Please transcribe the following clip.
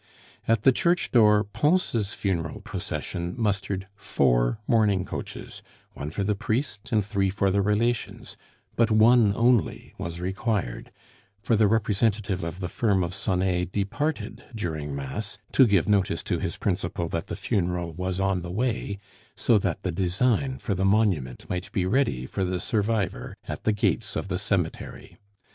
At the church door Pons' funeral possession mustered four mourning coaches, one for the priest and three for the relations; but one only was required, for the representative of the firm of Sonet departed during mass to give notice to his principal that the funeral was on the way, so that the design for the monument might be ready for the survivor at the gates of the cemetery.